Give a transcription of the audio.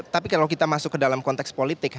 tapi kalau kita masuk ke dalam konteks politik